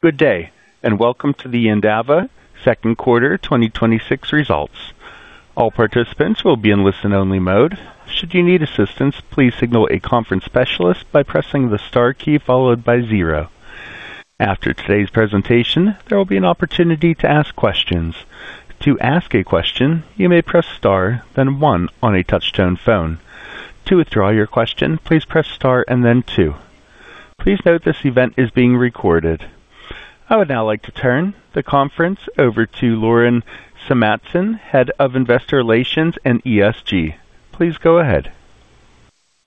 Good day, and welcome to the Endava second quarter 2026 results. All participants will be in listen-only mode. Should you need assistance, please signal a conference specialist by pressing the star key followed by zero. After today's presentation, there will be an opportunity to ask questions. To ask a question, you may press Star, then one on a touchtone phone. To withdraw your question, please press Star and then two. Please note this event is being recorded. I would now like to turn the conference over to Laurence Madsen, Head of Investor Relations and ESG. Please go ahead.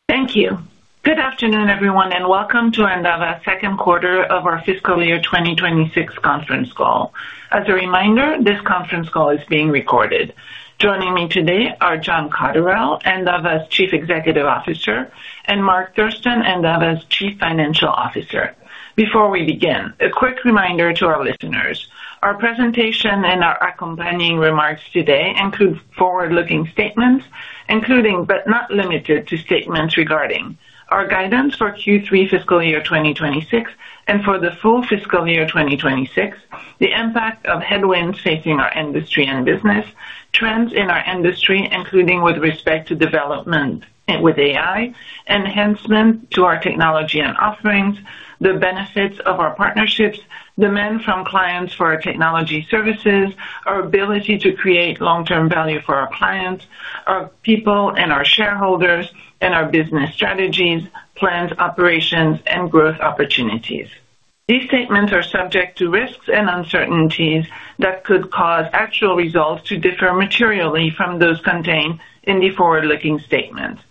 Thank you. Good afternoon, everyone, and welcome to Endava second quarter of our fiscal year 2026 conference call. As a reminder, this conference call is being recorded. Joining me today are John Cotterell, Endava's Chief Executive Officer, and Mark Thurston, Endava's Chief Financial Officer. Before we begin, a quick reminder to our listeners. Our presentation and our accompanying remarks today include forward-looking statements, including but not limited to statements regarding our guidance for Q3 fiscal year 2026 and for the full fiscal year 2026, the impact of headwinds facing our industry and business, trends in our industry, including with respect to development with AI, enhancement to our technology and offerings, the benefits of our partnerships, demand from clients for our technology services, our ability to create long-term value for our clients, our people, and our shareholders, and our business strategies, plans, operations, and growth opportunities. These statements are subject to risks and uncertainties that could cause actual results to differ materially from those contained in the forward-looking statements.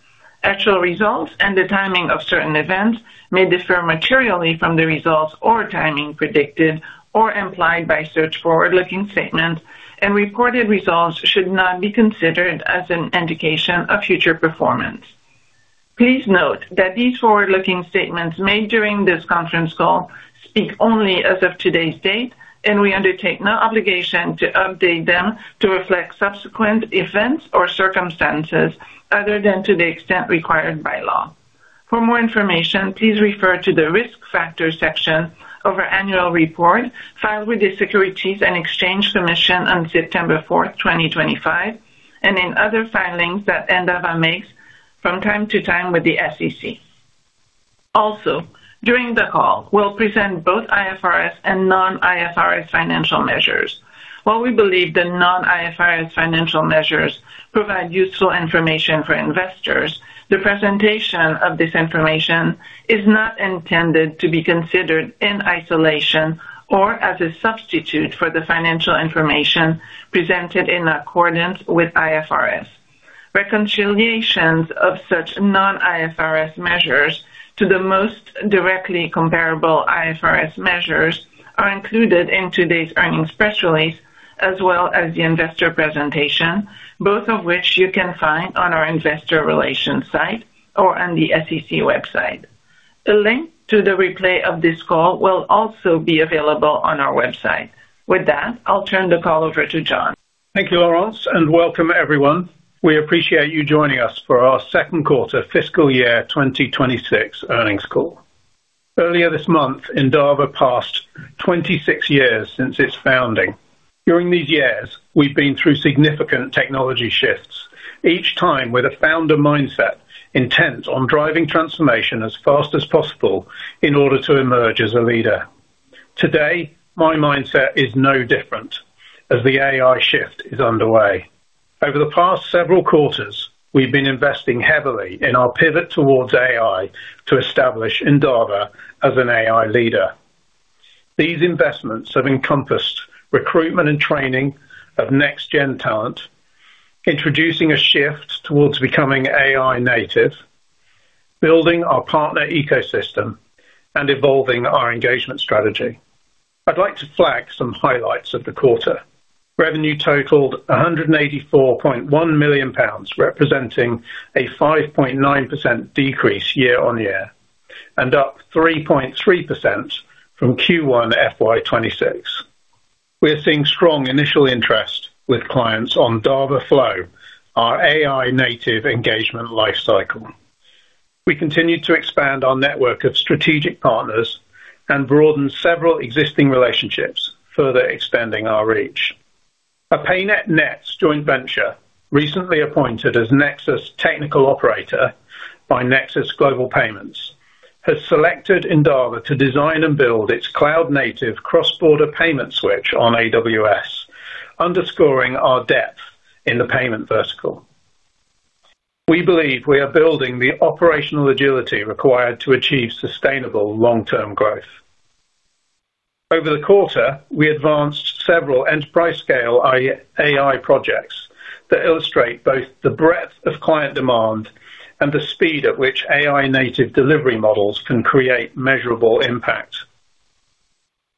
Actual results and the timing of certain events may differ materially from the results or timing predicted or implied by such forward-looking statements, and reported results should not be considered as an indication of future performance. Please note that these forward-looking statements made during this conference call speak only as of today's date, and we undertake no obligation to update them to reflect subsequent events or circumstances other than to the extent required by law. For more information, please refer to the Risk Factors section of our annual report, filed with the Securities and Exchange Commission on September 4, 2025, and in other filings that Endava makes from time to time with the SEC. Also, during the call, we'll present both IFRS and non-IFRS financial measures. While we believe the non-IFRS financial measures provide useful information for investors, the presentation of this information is not intended to be considered in isolation or as a substitute for the financial information presented in accordance with IFRS. Reconciliations of such non-IFRS measures to the most directly comparable IFRS measures are included in today's earnings press release, as well as the investor presentation, both of which you can find on our investor relations site or on the SEC website. A link to the replay of this call will also be available on our website. With that, I'll turn the call over to John. Thank you, Laurence, and welcome, everyone. We appreciate you joining us for our second quarter fiscal year 2026 earnings call. Earlier this month, Endava passed 26 years since its founding. During these years, we've been through significant technology shifts, each time with a founder mindset intent on driving transformation as fast as possible in order to emerge as a leader. Today, my mindset is no different as the AI shift is underway. Over the past several quarters, we've been investing heavily in our pivot towards AI to establish Endava as an AI leader. These investments have encompassed recruitment and training of next-gen talent, introducing a shift towards becoming AI native, building our partner ecosystem, and evolving our engagement strategy. I'd like to flag some highlights of the quarter. Revenue totaled 184.1 million pounds, representing a 5.9% decrease year-on-year, and up 3.3% from Q1 FY2026. We are seeing strong initial interest with clients on Dava.Flow, our AI-native engagement lifecycle. We continued to expand our network of strategic partners and broaden several existing relationships, further extending our reach. A PayNet-NETS joint venture, recently appointed as Nexus Technical Operator by Nexus Global Payments, has selected Endava to design and build its cloud-native cross-border payment switch on AWS, underscoring our depth in the payment vertical. We believe we are building the operational agility required to achieve sustainable long-term growth. Over the quarter, we advanced several enterprise-scale AI projects that illustrate both the breadth of client demand and the speed at which AI-native delivery models can create measurable impact.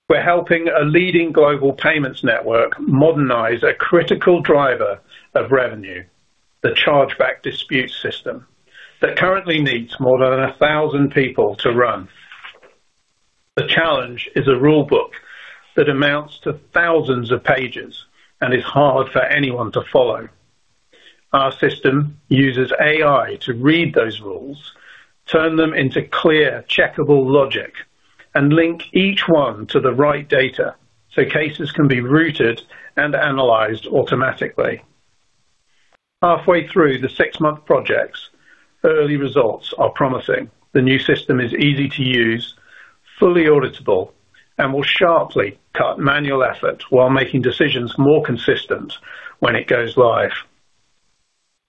We're helping a leading global payments network modernize a critical driver of revenue, the chargeback dispute system, that currently needs more than 1,000 people to run. The challenge is a rule book that amounts to thousands of pages and is hard for anyone to follow. Our system uses AI to read those rules, turn them into clear, checkable logic, and link each one to the right data, so cases can be routed and analyzed automatically. Halfway through the six-month projects, early results are promising. The new system is easy to use, fully auditable, and will sharply cut manual effort while making decisions more consistent when it goes live.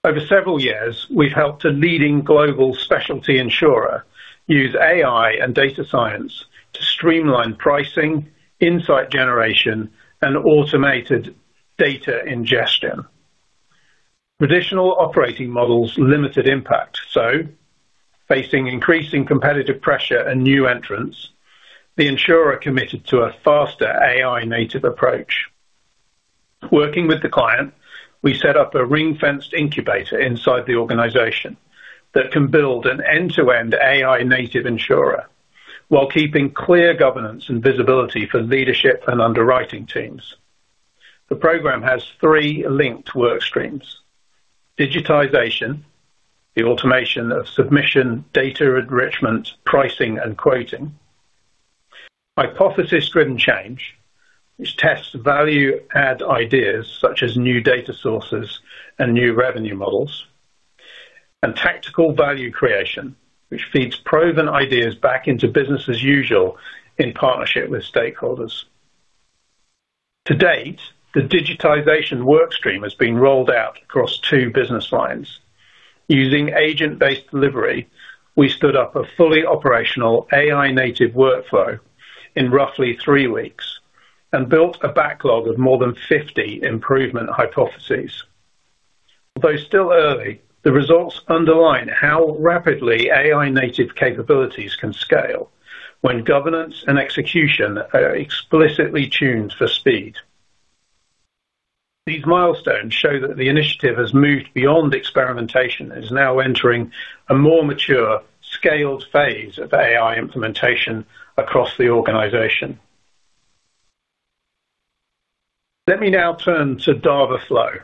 Over several years, we've helped a leading global specialty insurer use AI and data science to streamline pricing, insight generation, and automated data ingestion. Traditional operating models limited impact, so facing increasing competitive pressure and new entrants, the insurer committed to a faster AI-native approach. Working with the client, we set up a ring-fenced incubator inside the organization that can build an end-to-end AI-native insurer while keeping clear governance and visibility for leadership and underwriting teams. The program has three linked work streams: digitization, the automation of submission, data enrichment, pricing, and quoting; hypothesis-driven change, which tests value-add ideas such as new data sources and new revenue models; and tactical value creation, which feeds proven ideas back into business as usual in partnership with stakeholders. To date, the digitization work stream has been rolled out across two business lines. Using agent-based delivery, we stood up a fully operational AI-native workflow in roughly three weeks and built a backlog of more than 50 improvement hypotheses. Though still early, the results underline how rapidly AI-native capabilities can scale when governance and execution are explicitly tuned for speed. These milestones show that the initiative has moved beyond experimentation and is now entering a more mature, scaled phase of AI implementation across the organization. Let me now turn to Dava.Flow.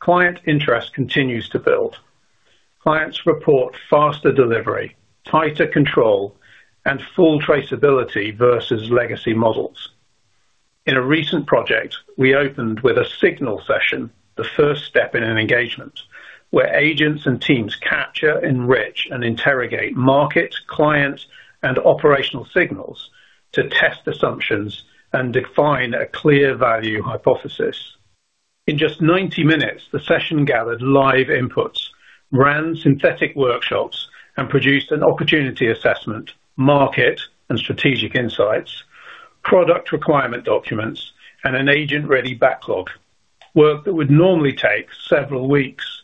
Client interest continues to build. Clients report faster delivery, tighter control, and full traceability versus legacy models. In a recent project, we opened with a signal session, the first step in an engagement, where agents and teams capture, enrich, and interrogate market, clients, and operational signals to test assumptions and define a clear value hypothesis. In just 90 minutes, the session gathered live inputs, ran synthetic workshops, and produced an opportunity assessment, market and strategic insights, product requirement documents, and an agent-ready backlog. Work that would normally take several weeks.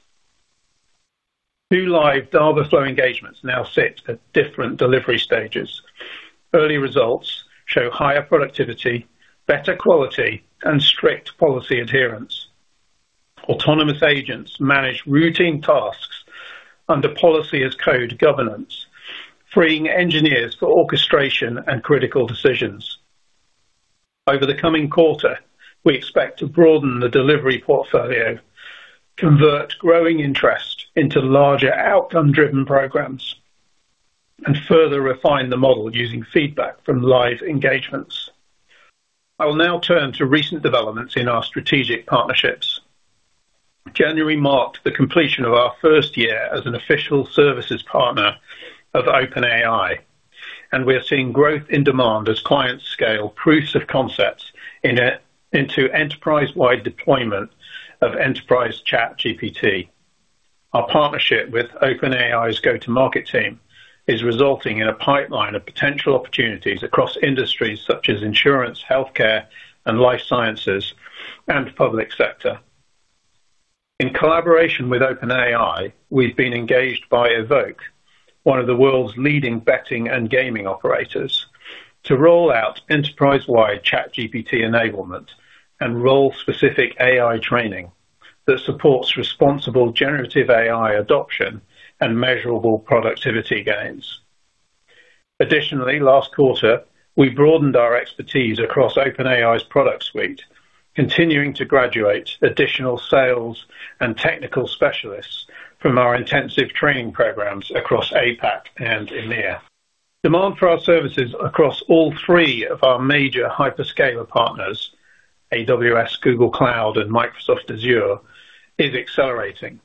Two live Dava.Flow engagements now sit at different delivery stages. Early results show higher productivity, better quality, and strict policy adherence. Autonomous agents manage routine tasks under Policy as Code governance, freeing engineers for orchestration and critical decisions. Over the coming quarter, we expect to broaden the delivery portfolio, convert growing interest into larger outcome-driven programs, and further refine the model using feedback from live engagements. I will now turn to recent developments in our strategic partnerships. January marked the completion of our first year as an official services partner of OpenAI, and we are seeing growth in demand as clients scale proofs of concepts into enterprise-wide deployment of Enterprise ChatGPT. Our partnership with OpenAI's go-to-market team is resulting in a pipeline of potential opportunities across industries such as insurance, healthcare, and life sciences, and public sector. In collaboration with OpenAI, we've been engaged by Evoke, one of the world's leading betting and gaming operators, to roll out enterprise-wide ChatGPT enablement and role-specific AI training that supports responsible generative AI adoption and measurable productivity gains. Additionally, last quarter, we broadened our expertise across OpenAI's product suite, continuing to graduate additional sales and technical specialists from our intensive training programs across APAC and EMEA. Demand for our services across all three of our major hyperscaler partners, AWS, Google Cloud, and Microsoft Azure, is accelerating,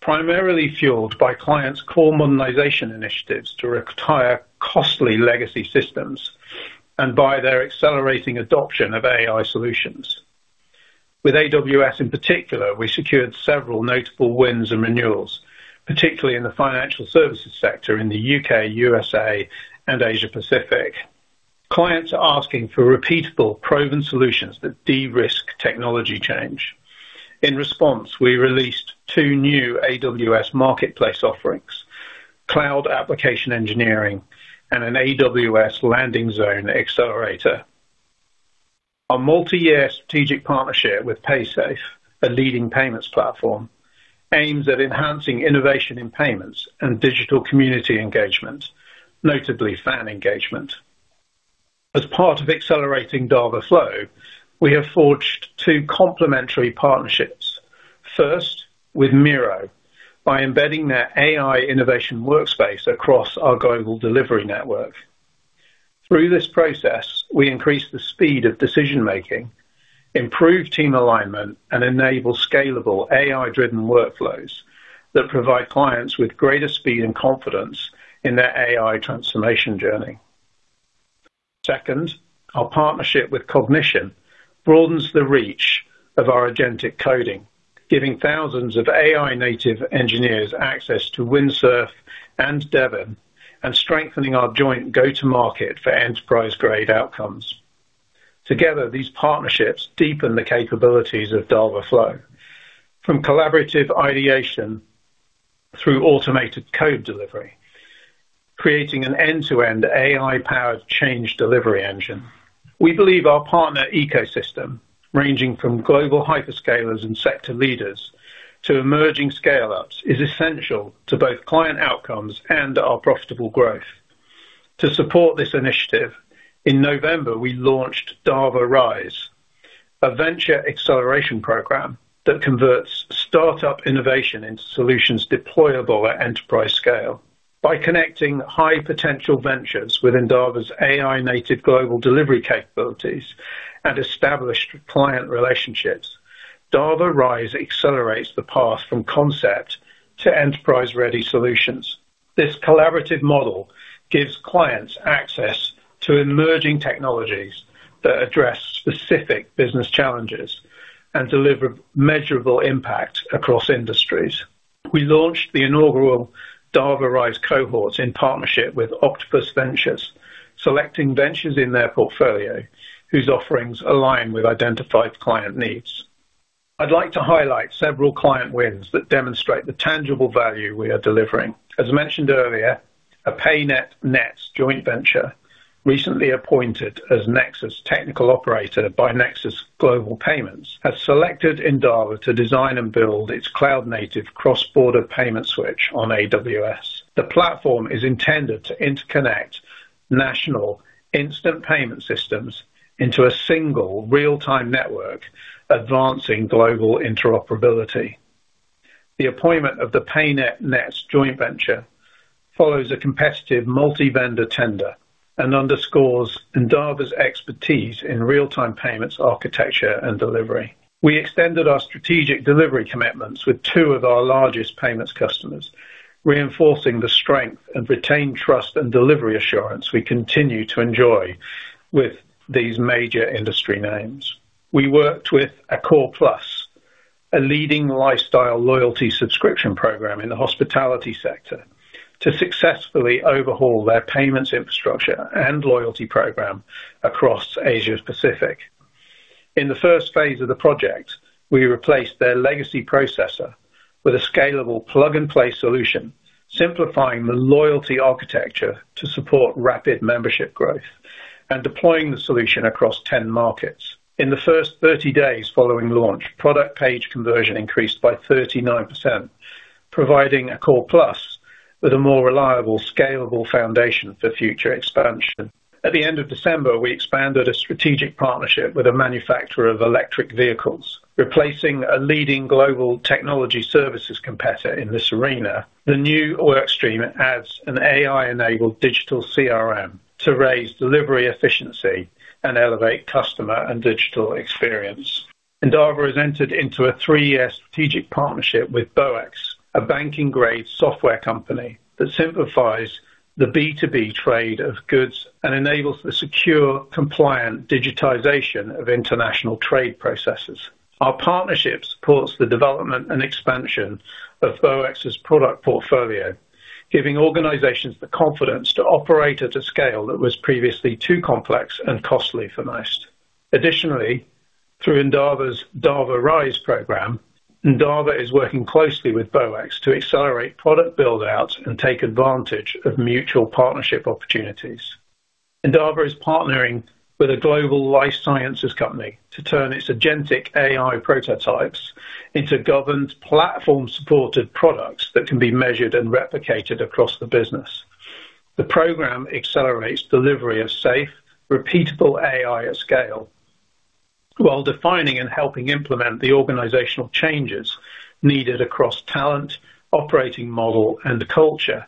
primarily fueled by clients' core modernization initiatives to retire costly legacy systems and by their accelerating adoption of AI solutions. With AWS, in particular, we secured several notable wins and renewals, particularly in the financial services sector in the U.K., U.S., and Asia Pacific. Clients are asking for repeatable, proven solutions that de-risk technology change. In response, we released two new AWS Marketplace offerings, Cloud Application Engineering and an AWS Landing Zone Accelerator. Our multi-year strategic partnership with Paysafe, a leading payments platform, aims at enhancing innovation in payments and digital community engagement, notably fan engagement. As part of accelerating Dava.Flow, we have forged two complementary partnerships. First, with Miro, by embedding their AI innovation workspace across our global delivery network. Through this process, we increase the speed of decision making, improve team alignment, and enable scalable AI-driven workflows that provide clients with greater speed and confidence in their AI transformation journey. Second, our partnership with Cognition broadens the reach of our agentic coding, giving thousands of AI-native engineers access to Windsurf and Devin, and strengthening our joint go-to-market for enterprise-grade outcomes. Together, these partnerships deepen the capabilities of Dava.Flow, from collaborative ideation through automated code delivery, creating an end-to-end AI-powered change delivery engine. We believe our partner ecosystem, ranging from global hyperscalers and sector leaders to emerging scale-ups, is essential to both client outcomes and our profitable growth. To support this initiative, in November, we launched Endava Rise, a venture acceleration program that converts start-up innovation into solutions deployable at enterprise scale. By connecting high potential ventures within Endava's AI-native global delivery capabilities and established client relationships, Endava Rise accelerates the path from concept to enterprise-ready solutions. This collaborative model gives clients access to emerging technologies that address specific business challenges and deliver measurable impact across industries. We launched the inaugural Endava Rise cohorts in partnership with Octopus Ventures, selecting ventures in their portfolio whose offerings align with identified client needs. I'd like to highlight several client wins that demonstrate the tangible value we are delivering. As mentioned earlier, a PayNet-NETS joint venture, recently appointed as Nexus Technical Operator by Nexus Global Payments, has selected Endava to design and build its cloud-native cross-border payment switch on AWS. The platform is intended to interconnect national instant payment systems into a single real-time network, advancing global interoperability. The appointment of the PayNet-NETS joint venture follows a competitive multi-vendor tender and underscores Endava's expertise in real-time payments, architecture, and delivery. We extended our strategic delivery commitments with two of our largest payments customers, reinforcing the strength and retained trust and delivery assurance we continue to enjoy with these major industry names. We worked with Accor Plus, a leading lifestyle loyalty subscription program in the hospitality sector, to successfully overhaul their payments infrastructure and loyalty program across Asia Pacific. In the first phase of the project, we replaced their legacy processor with a scalable plug-and-play solution, simplifying the loyalty architecture to support rapid membership growth and deploying the solution across 10 markets. In the first 30 days following launch, product page conversion increased by 39%, providing Accor Plus with a more reliable, scalable foundation for future expansion. At the end of December, we expanded a strategic partnership with a manufacturer of electric vehicles, replacing a leading global technology services competitor in this arena. The new work stream adds an AI-enabled digital CRM to raise delivery efficiency and elevate customer and digital experience. Endava has entered into a three-year strategic partnership with Boax, a banking-grade software company that simplifies the B2B trade of goods and enables the secure, compliant digitization of international trade processes. Our partnership supports the development and expansion of Boax's product portfolio, giving organizations the confidence to operate at a scale that was previously too complex and costly for most. Additionally, through Endava's Endava Rise program, Endava is working closely with Boax to accelerate product build-outs and take advantage of mutual partnership opportunities. Endava is partnering with a global life sciences company to turn its Agentic AI prototypes into governed platform-supported products that can be measured and replicated across the business. The program accelerates delivery of safe, repeatable AI at scale, while defining and helping implement the organizational changes needed across talent, operating model, and culture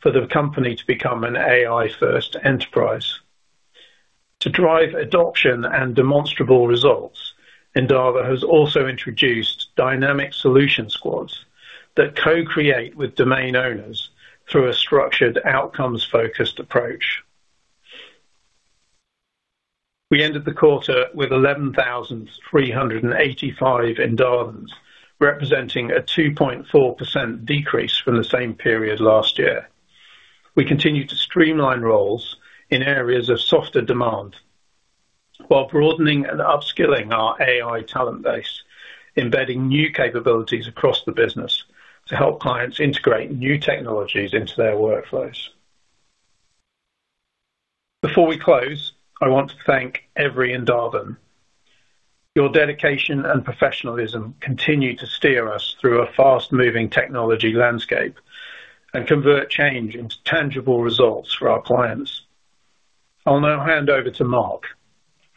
for the company to become an AI-first enterprise. To drive adoption and demonstrable results, Endava has also introduced dynamic solution squads that co-create with domain owners through a structured, outcomes-focused approach. We ended the quarter with 11,385 Endavans, representing a 2.4% decrease from the same period last year. We continue to streamline roles in areas of softer demand while broadening and upskilling our AI talent base, embedding new capabilities across the business to help clients integrate new technologies into their workflows. Before we close, I want to thank every Endavan. Your dedication and professionalism continue to steer us through a fast-moving technology landscape and convert change into tangible results for our clients. I'll now hand over to Mark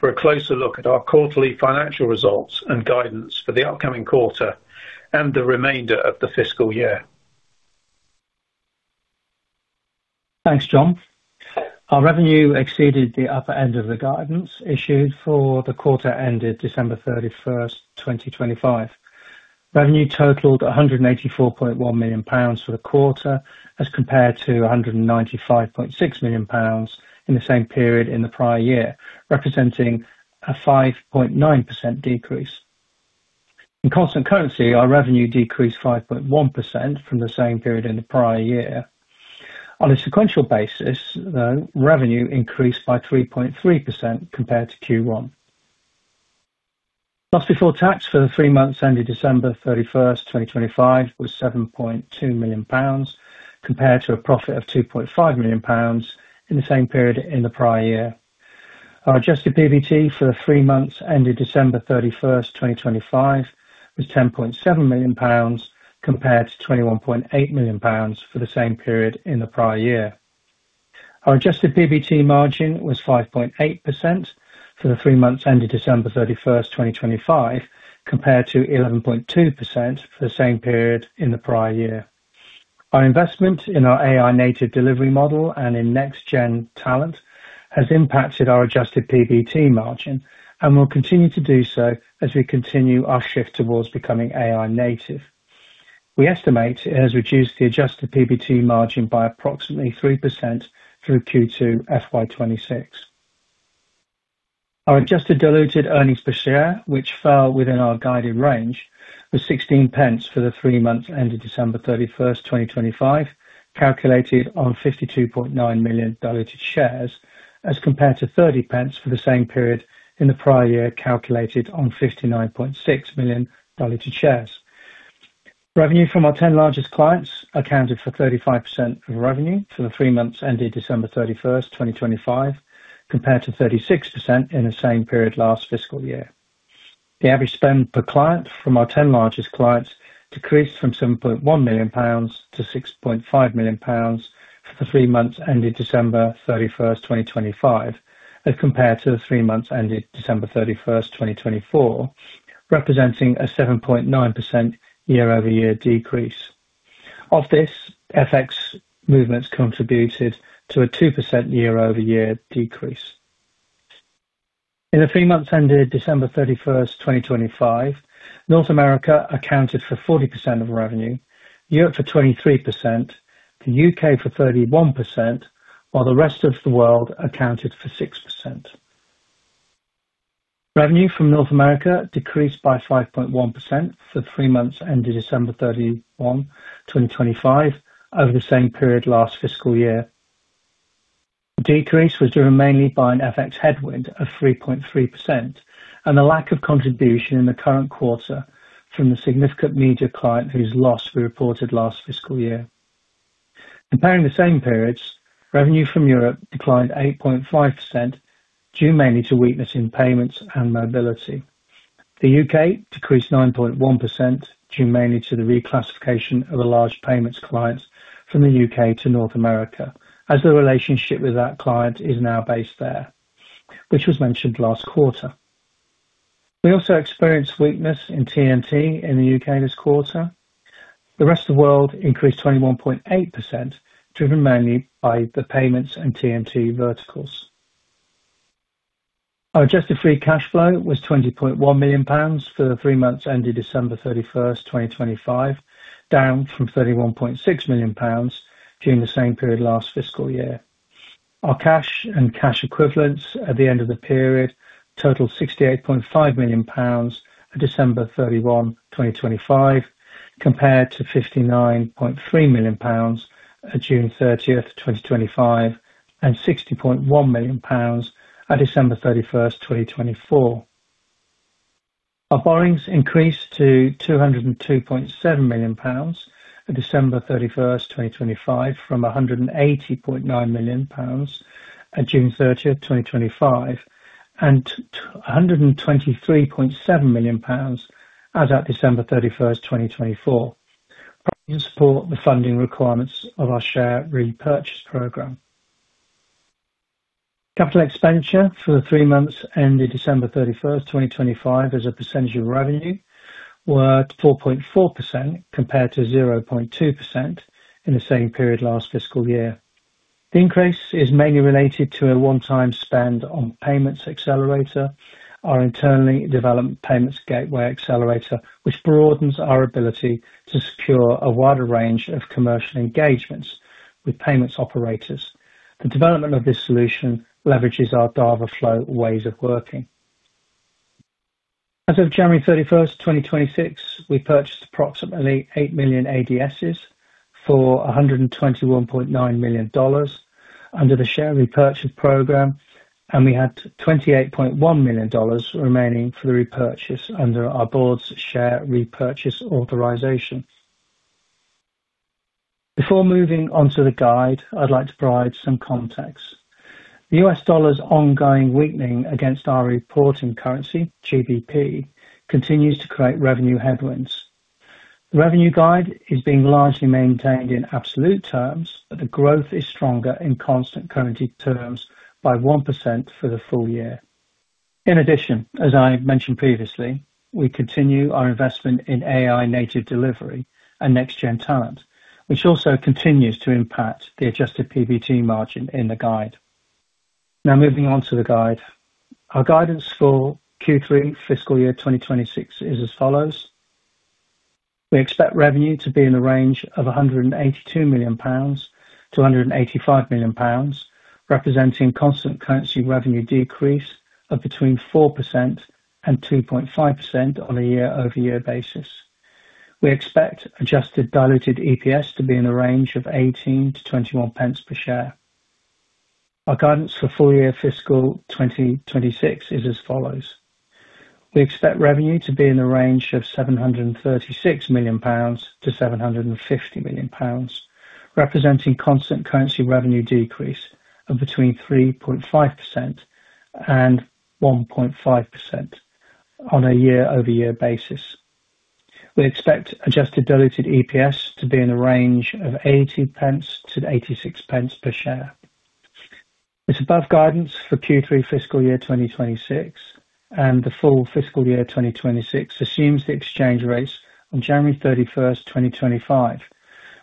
for a closer look at our quarterly financial results and guidance for the upcoming quarter and the remainder of the fiscal year. Thanks, John. Our revenue exceeded the upper end of the guidance issued for the quarter ended December 31, 2025. Revenue totaled 184.1 million pounds for the quarter, as compared to 195.6 million pounds in the same period in the prior year, representing a 5.9% decrease. In constant currency, our revenue decreased 5.1% from the same period in the prior year. On a sequential basis, revenue increased by 3.3% compared to Q1. Loss before tax for the three months ended December 31, 2025, was 7.2 million pounds, compared to a profit of 2.5 million pounds in the same period in the prior year. Our adjusted PBT for the three months ended December 31, 2025, was 10.7 million pounds, compared to 21.8 million pounds for the same period in the prior year. Our adjusted PBT margin was 5.8% for the three months ended December 31, 2025, compared to 11.2% for the same period in the prior year. Our investment in our AI-native delivery model and in next-gen talent has impacted our adjusted PBT margin and will continue to do so as we continue our shift towards becoming AI-native. We estimate it has reduced the adjusted PBT margin by approximately 3% through Q2 FY 2026. Our adjusted diluted earnings per share, which fell within our guided range, was 16 pence for the three months ended December 31, 2025, calculated on 52.9 million diluted shares, as compared to 30 pence for the same period in the prior year, calculated on 59.6 million diluted shares. Revenue from our 10 largest clients accounted for 35% of revenue for the three months ended December 31, 2025, compared to 36% in the same period last fiscal year. The average spend per client from our 10 largest clients decreased from 7.1 million pounds to 6.5 million pounds for the three months ended December 31, 2025, as compared to the three months ended December 31st, 2024, representing a 7.9% year-over-year decrease. Of this, FX movements contributed to a 2% year-over-year decrease. In the three months ended December 31st, 2025, North America accounted for 40% of revenue, Europe for 23%, the U.K. for 31%, while the rest of the world accounted for 6%. Revenue from North America decreased by 5.1% for the three months ended December 31, 2025, over the same period last fiscal year. The decrease was driven mainly by an FX headwind of 3.3% and a lack of contribution in the current quarter from the significant media client whose loss we reported last fiscal year. Comparing the same periods, revenue from Europe declined 8.5%, due mainly to weakness in payments and mobility. The U.K. decreased 9.1%, due mainly to the reclassification of a large payments client from the U.K. to North America, as the relationship with that client is now based there, which was mentioned last quarter. We also experienced weakness in TNT in the U.K. this quarter. The rest of the world increased 21.8%, driven mainly by the payments and TNT verticals. Our adjusted free cash flow was 20.1 million pounds for the three months ended December 31st, 2025, down from 31.6 million pounds during the same period last fiscal year. Our cash and cash equivalents at the end of the period totaled 68.5 million pounds for December 31st, 2025, compared to 59.3 million pounds at June 30th, 2025, and 60.1 million pounds at December 31st, 2024. Our borrowings increased to 202.7 million pounds at December 31st, 2025, from 180.9 million pounds at June 30th, 2025, and a hundred and twenty-three point seven million pounds as at December 31st, 2024, in support of the funding requirements of our share repurchase program. Capital expenditure for the three months ended December 31st, 2025, as a percentage of revenue, were at 4.4% compared to 0.2% in the same period last fiscal year. The increase is mainly related to a one-time spend on Payments Accelerator, our internally developed payments gateway accelerator, which broadens our ability to secure a wider range of commercial engagements with payments operators. The development of this solution leverages our Dava.Flow ways of working. As of January 31st, 2026, we purchased approximately 8 million ADSs for $121.9 million under the share repurchase program, and we had $28.1 million remaining for the repurchase under our board's share repurchase authorization. Before moving on to the guide, I'd like to provide some context. The US dollar's ongoing weakening against our reporting currency, GBP, continues to create revenue headwinds. The revenue guide is being largely maintained in absolute terms, but the growth is stronger in constant currency terms by 1% for the full year. In addition, as I mentioned previously, we continue our investment in AI-native delivery and next gen talent, which also continues to impact the adjusted PBT margin in the guide. Now, moving on to the guide. Our guidance for Q3 fiscal year 2026 is as follows: We expect revenue to be in the range of 182 million-185 million pounds, representing constant currency revenue decrease of between 4% and 2.5% on a year-over-year basis. We expect Adjusted Diluted EPS to be in the range of 18-21 pence per share. Our guidance for full year fiscal 2026 is as follows: We expect revenue to be in the range of 736 million-750 million pounds, representing constant currency revenue decrease of between 3.5% and 1.5% on a year-over-year basis. We expect Adjusted Diluted EPS to be in the range of 80-86 pence per share. The above guidance for Q3 fiscal year 2026 and the full fiscal year 2026 assumes the exchange rates on January 31, 2025,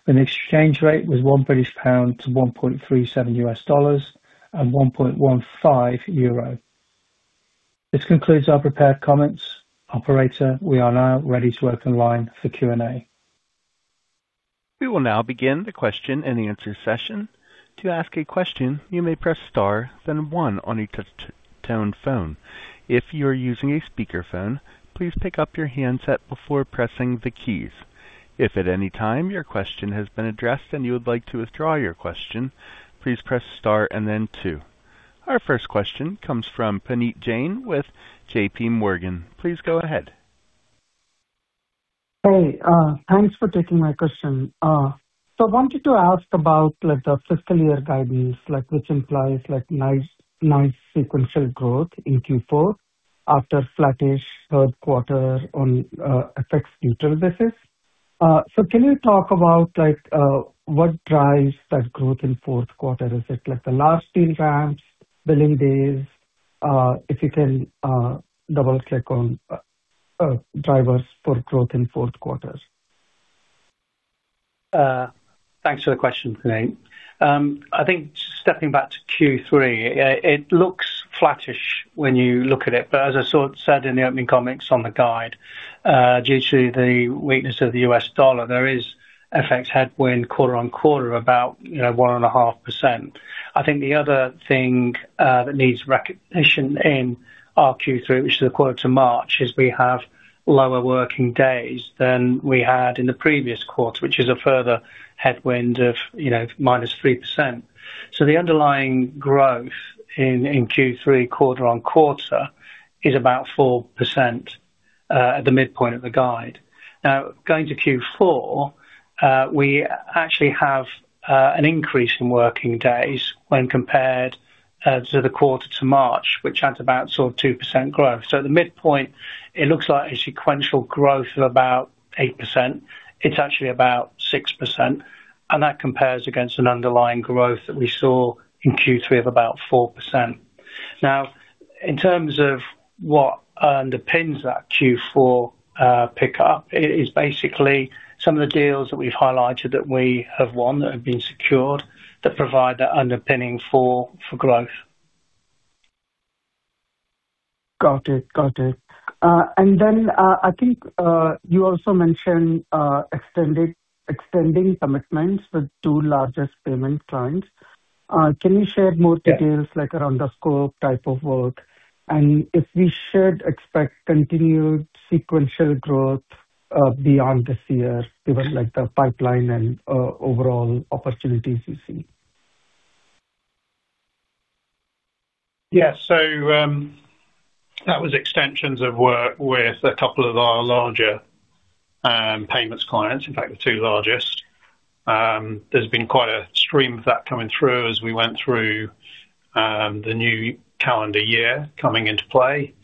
when the exchange rate was 1 British pound to 1.37 US dollars and 1.15 euro. This concludes our prepared comments. Operator, we are now ready to open line for Q&A. We will now begin the question and answer session. To ask a question, you may press star then one on a touch tone phone. If you are using a speakerphone, please pick up your handset before pressing the keys. If at any time your question has been addressed and you would like to withdraw your question, please press star and then two. Our first question comes from Puneet Jain with JPMorgan. Please go ahead. Hey, thanks for taking my question. So I wanted to ask about, like, the fiscal year guidance, like, which implies like nice, nice sequential growth in Q4 after flattish third quarter on FX-neutral basis. So can you talk about like, what drives that growth in fourth quarter? Is it like the last deal ramps, billing days? If you can, double-click on drivers for growth in fourth quarters. Thanks for the question, Puneet. I think stepping back to Q3, it looks flattish when you look at it, but as I sort of said in the opening comments on the guide, due to the weakness of the US dollar, there is FX headwind quarter-on-quarter about, you know, 1.5%. I think the other thing that needs recognition in our Q3, which is a quarter to March, is we have lower working days than we had in the previous quarter, which is a further headwind of, you know, -3%. So the underlying growth in Q3, quarter-on-quarter, is about 4%, at the midpoint of the guide. Now, going to Q4, we actually have an increase in working days when compared to the quarter to March, which had about sort of 2% growth. So at the midpoint, it looks like a sequential growth of about 8%. It's actually about 6%, and that compares against an underlying growth that we saw in Q3 of about 4%. Now, in terms of what underpins that Q4 pickup, it is basically some of the deals that we've highlighted that we have won, that have been secured, that provide the underpinning for, for growth. Got it. Got it. And then, I think, you also mentioned, extending commitments with two largest payment clients. Can you share more details? Yeah. - like around the scope type of work? And if we should expect continued sequential growth, beyond this year, given, like, the pipeline and, overall opportunities you see. Yeah. So, that was extensions of work with a couple of our larger, payments clients, in fact, the two largest. There's been quite a stream of that coming through as we went through, the new calendar year coming into play.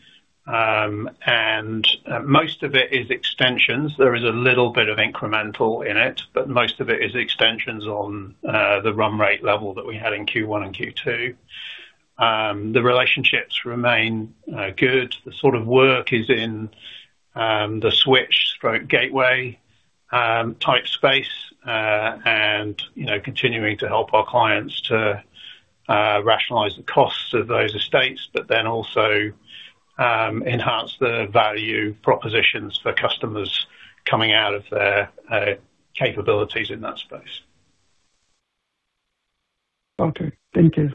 And, most of it is extensions. There is a little bit of incremental in it, but most of it is extensions on, the run rate level that we had in Q1 and Q2. The relationships remain, good. The sort of work is in, the switch/gateway, type space, and, you know, continuing to help our clients to, rationalize the costs of those estates, but then also, enhance the value propositions for customers coming out of their, capabilities in that space. Okay. Thank you.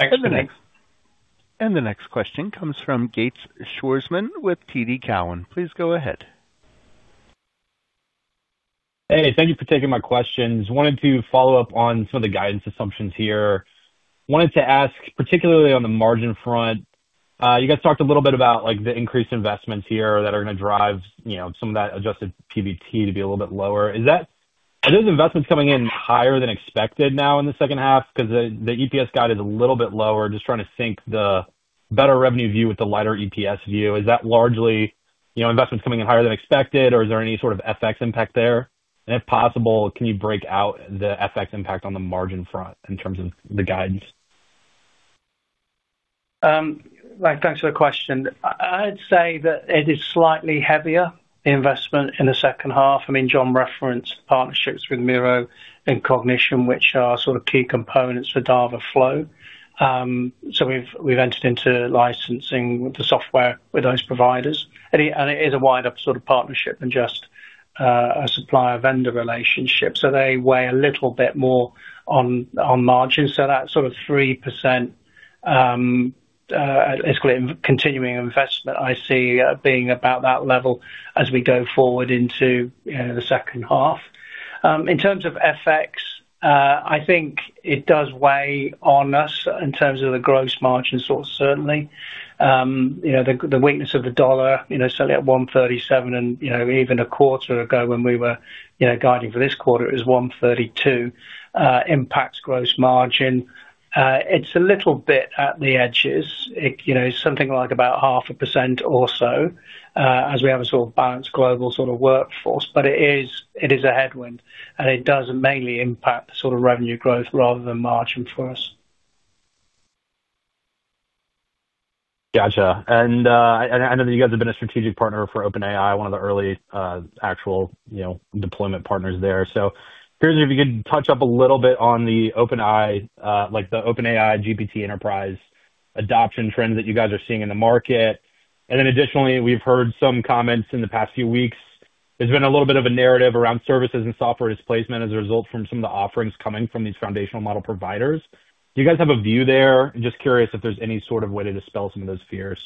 Thanks- The next question comes from Bryan Bergin with TD Cowen. Please go ahead. Hey, thank you for taking my questions. Wanted to follow up on some of the guidance assumptions here. Wanted to ask, particularly on the margin front. You guys talked a little bit about, like, the increased investments here that are gonna drive, you know, some of that adjusted PBT to be a little bit lower. Is that-- are those investments coming in higher than expected now in the second half? Because the, the EPS guide is a little bit lower. Just trying to sync the better revenue view with the lighter EPS view. Is that largely, you know, investments coming in higher than expected, or is there any sort of FX impact there? And if possible, can you break out the FX impact on the margin front in terms of the guidance? Thanks for the question. I'd say that it is slightly heavier, the investment in the second half. I mean, John referenced partnerships with Miro and Cognition, which are sort of key components for Dava.Flow. So we've, we've entered into licensing the software with those providers. And it, and it is a wider sort of partnership than just a supplier-vendor relationship, so they weigh a little bit more on, on margins. So that sort of 3%, let's call it continuing investment, I see being about that level as we go forward into, you know, the second half. In terms of FX, I think it does weigh on us in terms of the gross margins sort of certainly. You know, the weakness of the dollar, you know, selling at 1.37 and, you know, even a quarter ago when we were, you know, guiding for this quarter, it was 1.32, impacts gross margin. It's a little bit at the edges. It, you know, something like about 0.5% or so, as we have a sort of balanced global sort of workforce. But it is, it is a headwind, and it does mainly impact the sort of revenue growth rather than margin for us. Gotcha. And, I know that you guys have been a strategic partner for OpenAI, one of the early, actual, you know, deployment partners there. So curious if you could touch up a little bit on the OpenAI, like the OpenAI GPT enterprise adoption trends that you guys are seeing in the market. And then additionally, we've heard some comments in the past few weeks. There's been a little bit of a narrative around services and software displacement as a result from some of the offerings coming from these foundational model providers. Do you guys have a view there? Just curious if there's any sort of way to dispel some of those fears.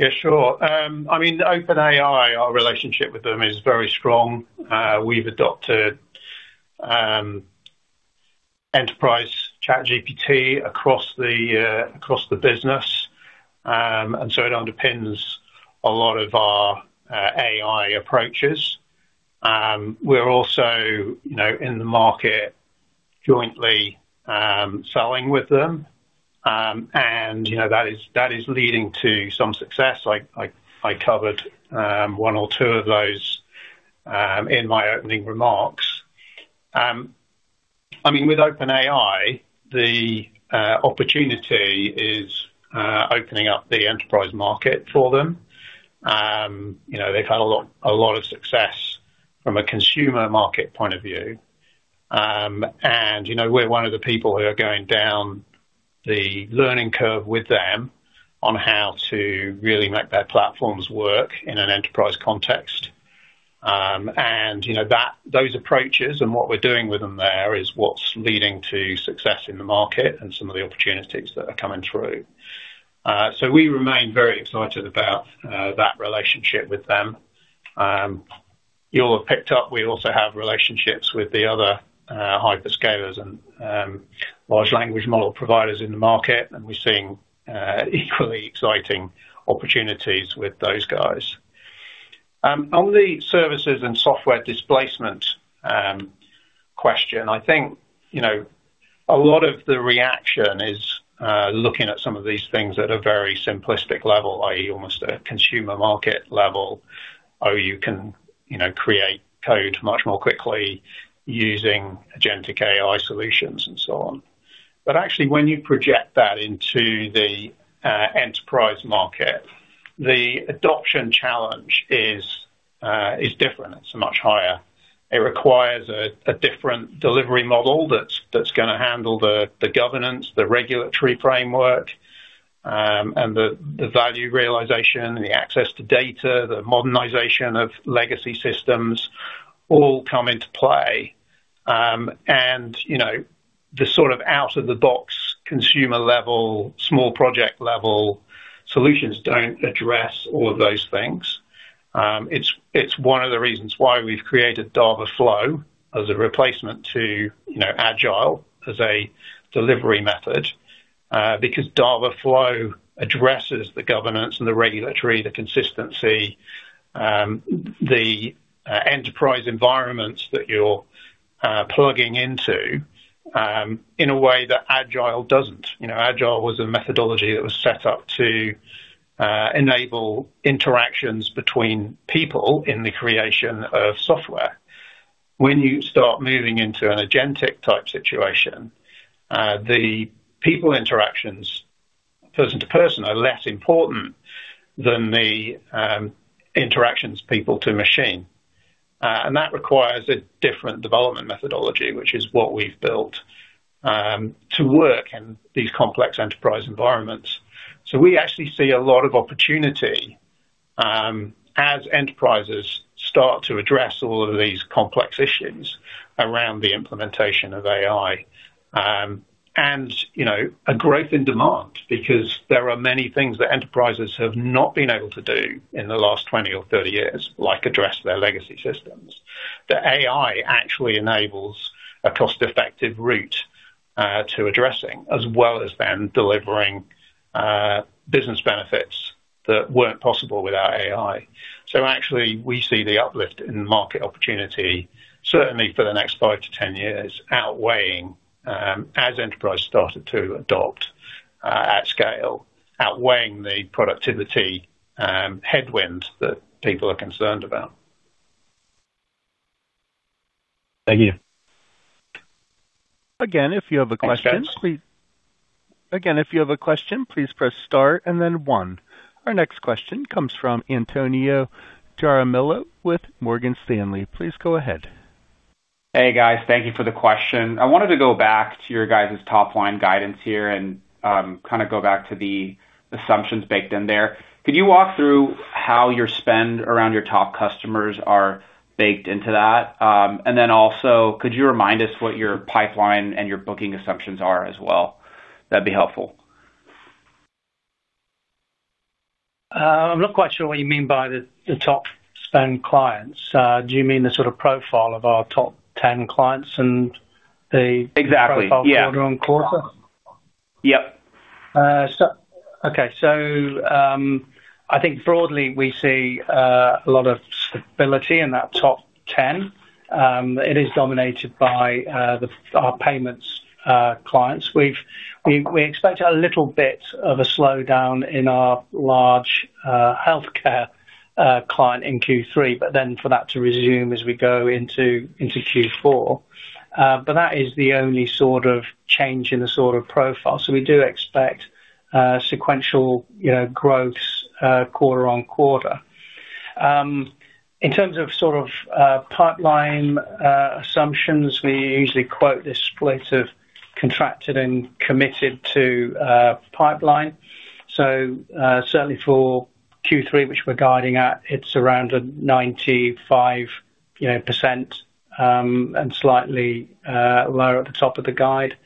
Yeah, sure. I mean, the OpenAI, our relationship with them is very strong. We've adopted Enterprise ChatGPT across the business. And so it underpins a lot of our AI approaches. We're also, you know, in the market jointly selling with them. And, you know, that is leading to some success. I covered one or two of those in my opening remarks. I mean, with OpenAI, the opportunity is opening up the enterprise market for them. You know, they've had a lot of success from a consumer market point of view. And, you know, we're one of the people who are going down the learning curve with them on how to really make their platforms work in an enterprise context. And, you know, that... Those approaches and what we're doing with them there is what's leading to success in the market and some of the opportunities that are coming through. So we remain very excited about that relationship with them. You all have picked up, we also have relationships with the other hyperscalers and large language model providers in the market, and we're seeing equally exciting opportunities with those guys. On the services and software displacement question, I think, you know, a lot of the reaction is looking at some of these things at a very simplistic level, i.e., almost a consumer market level, or you can, you know, create code much more quickly using agentic AI solutions and so on. But actually, when you project that into the enterprise market, the adoption challenge is different, it's much higher. It requires a different delivery model that's gonna handle the governance, the regulatory framework, and the value realization, the access to data, the modernization of legacy systems all come into play. You know, the sort of out-of-the-box, consumer-level, small project-level solutions don't address all of those things. It's one of the reasons why we've created Dava.Flow as a replacement to, you know, Agile as a delivery method, because Dava.Flow addresses the governance and the regulatory, the consistency, the enterprise environments that you're plugging into, in a way that Agile doesn't. You know, Agile was a methodology that was set up to enable interactions between people in the creation of software. When you start moving into an agentic type situation, the people interactions, person to person, are less important than the interactions people to machine. And that requires a different development methodology, which is what we've built, to work in these complex enterprise environments. So we actually see a lot of opportunity, as enterprises start to address all of these complex issues around the implementation of AI. And, you know, a growth in demand, because there are many things that enterprises have not been able to do in the last 20 or 30 years, like address their legacy system…. The AI actually enables a cost-effective route, to addressing, as well as then delivering, business benefits that weren't possible without AI. Actually, we see the uplift in market opportunity, certainly for the next five-10 years, outweighing, as enterprise started to adopt at scale, outweighing the productivity headwind that people are concerned about. Thank you. Again, if you have a question, please- Thanks, guys. Again, if you have a question, please press Star and then one. Our next question comes from Antonio Jaramillo with Morgan Stanley. Please go ahead. Hey, guys. Thank you for the question. I wanted to go back to your guys' top line guidance here and, kind of go back to the assumptions baked in there. Could you walk through how your spend around your top customers are baked into that? And then also, could you remind us what your pipeline and your booking assumptions are as well? That'd be helpful. I'm not quite sure what you mean by the top spend clients. Do you mean the sort of profile of our top 10 clients and the- Exactly, yeah. Profile order on quarter? Yep. Okay, so I think broadly we see a lot of stability in that top 10. It is dominated by the our payments clients. We expect a little bit of a slowdown in our large healthcare client in Q3, but then for that to resume as we go into Q4. But that is the only sort of change in the sort of profile. So we do expect sequential, you know, growth quarter on quarter. In terms of sort of pipeline assumptions, we usually quote this split of contracted and committed to pipeline. So certainly for Q3, which we're guiding at, it's around a 95 you know percent, and slightly lower at the top of the guide.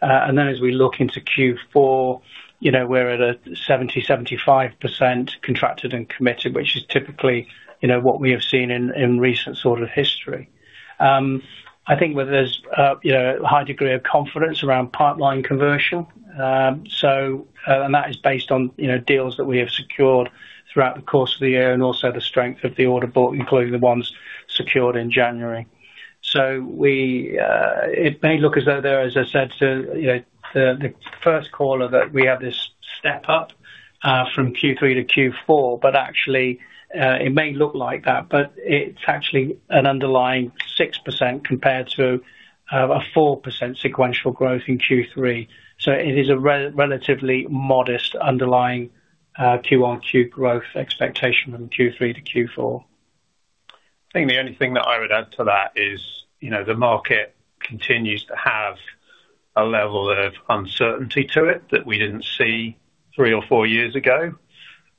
And then as we look into Q4, you know, we're at a 70%-75% contracted and committed, which is typically, you know, what we have seen in, in recent sort of history. I think where there's a, you know, a high degree of confidence around pipeline conversion, so... And that is based on, you know, deals that we have secured throughout the course of the year and also the strength of the order book, including the ones secured in January. So we, it may look as though there, as I said to, you know, to the first caller, that we have this step up, from Q3 to Q4, but actually, it may look like that, but it's actually an underlying 6% compared to, a 4% sequential growth in Q3. So it is a relatively modest underlying Q-on-Q growth expectation from Q3 to Q4. I think the only thing that I would add to that is, you know, the market continues to have a level of uncertainty to it, that we didn't see three or four years ago.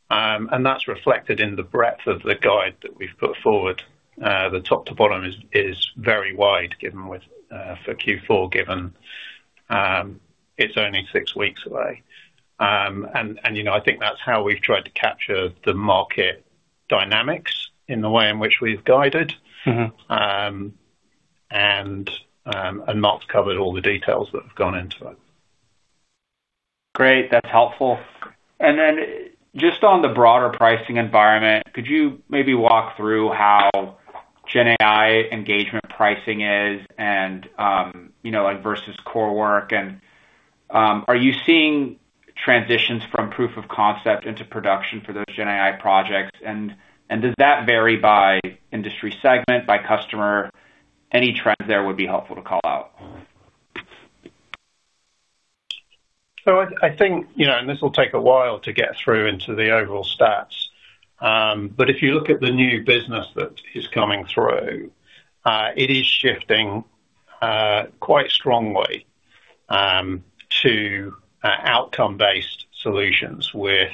And that's reflected in the breadth of the guide that we've put forward. The top to bottom is, is very wide, given with, for Q4, given, it's only six weeks away. And, and you know, I think that's how we've tried to capture the market dynamics in the way in which we've guided. Mm-hmm. Mark's covered all the details that have gone into it. Great. That's helpful. And then just on the broader pricing environment, could you maybe walk through how Gen AI engagement pricing is and, you know, like, versus core work? And, are you seeing transitions from proof of concept into production for those Gen AI projects? And, does that vary by industry segment, by customer? Any trends there would be helpful to call out. So I think, you know, and this will take a while to get through into the overall stats, but if you look at the new business that is coming through, it is shifting quite strongly to outcome-based solutions with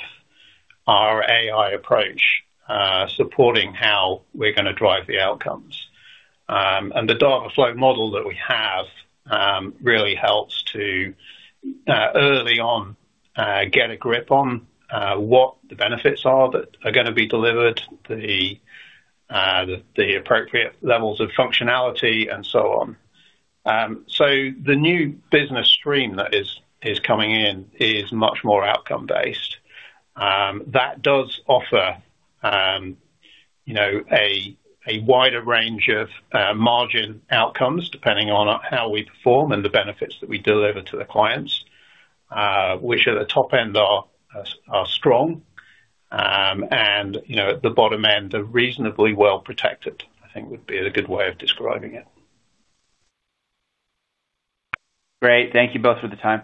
our AI approach supporting how we're gonna drive the outcomes. And the Dava.Flow model that we have really helps to early on get a grip on what the benefits are that are gonna be delivered, the appropriate levels of functionality and so on. So the new business stream that is coming in is much more outcome based. That does offer, you know, a wider range of margin outcomes, depending on how we perform and the benefits that we deliver to the clients, which at the top end are strong. And you know, at the bottom end, are reasonably well protected, I think would be a good way of describing it. Great. Thank you both for the time.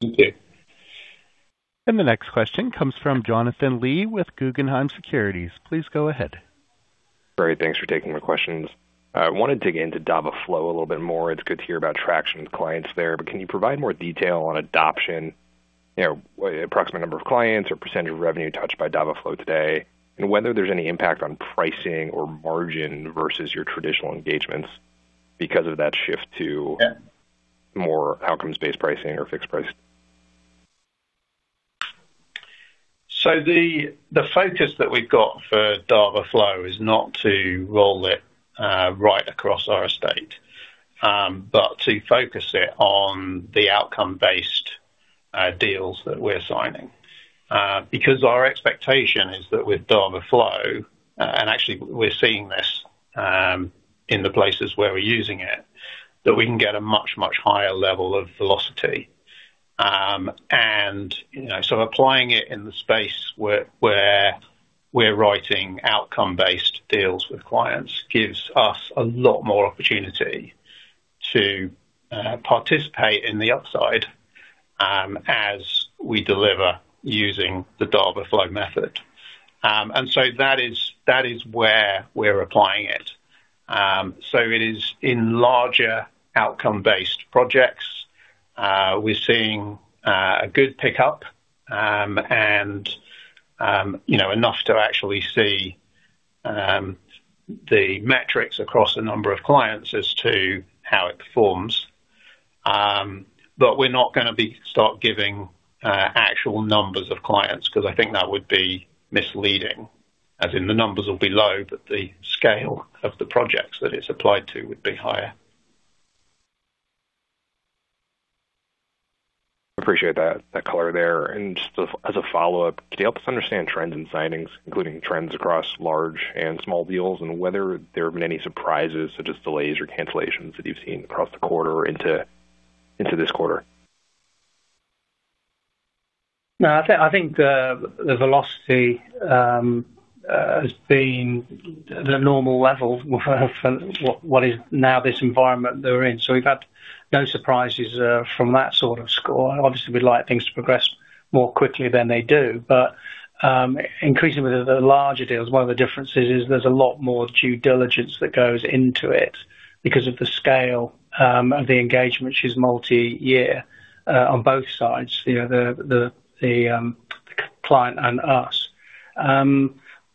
Thank you. The next question comes from Jonathan Lee with Guggenheim Securities. Please go ahead. Great, thanks for taking my questions. I wanted to dig into Dava.Flow a little bit more. It's good to hear about traction with clients there, but can you provide more detail on adoption? You know, approximate number of clients or percentage of revenue touched by Dava.Flow today, and whether there's any impact on pricing or margin versus your traditional engagements because of that shift to- Yeah... more outcomes-based pricing or fixed pricing? ... So the focus that we've got for Dava.Flow is not to roll it right across our estate, but to focus it on the outcome-based deals that we're signing. Because our expectation is that with Dava.Flow, and actually we're seeing this in the places where we're using it, that we can get a much, much higher level of velocity. And, you know, so applying it in the space where we're writing outcome-based deals with clients gives us a lot more opportunity to participate in the upside, as we deliver using the Dava.Flow method. And so that is, that is where we're applying it. So it is in larger outcome-based projects. We're seeing a good pickup, and you know, enough to actually see the metrics across a number of clients as to how it performs. But we're not gonna start giving actual numbers of clients, because I think that would be misleading, as in the numbers will be low, but the scale of the projects that it's applied to would be higher. Appreciate that, that color there. And just as a follow-up, can you help us understand trends in signings, including trends across large and small deals, and whether there have been any surprises, such as delays or cancellations, that you've seen across the quarter or into, into this quarter? No, I think the velocity has been the normal level for what is now this environment that we're in. So we've had no surprises from that sort of score. Obviously, we'd like things to progress more quickly than they do, but increasingly the larger deals, one of the differences is there's a lot more due diligence that goes into it because of the scale of the engagement, which is multi-year on both sides, you know, the client and us.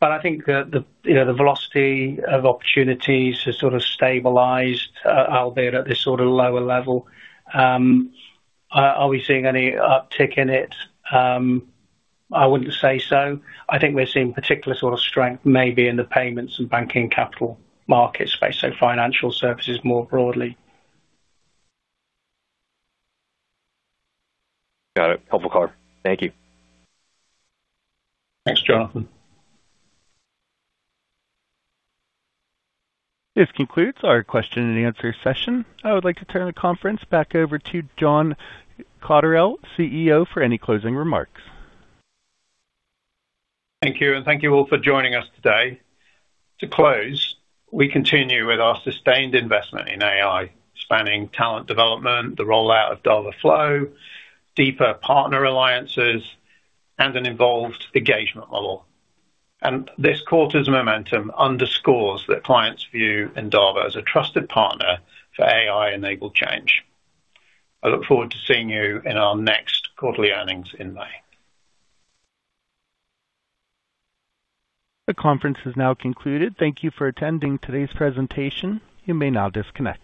But I think the velocity of opportunities has sort of stabilized, albeit at this sort of lower level. Are we seeing any uptick in it? I wouldn't say so. I think we're seeing particular sort of strength maybe in the payments and banking capital market space, so financial services more broadly. Got it. Helpful color. Thank you. Thanks, Jonathan. This concludes our question and answer session. I would like to turn the conference back over to John Cotterell, CEO, for any closing remarks. Thank you, and thank you all for joining us today. To close, we continue with our sustained investment in AI, spanning talent development, the rollout of Dava.Flow, deeper partner alliances, and an involved engagement model. This quarter's momentum underscores that clients view Endava as a trusted partner for AI-enabled change. I look forward to seeing you in our next quarterly earnings in May. The conference is now concluded. Thank you for attending today's presentation. You may now disconnect.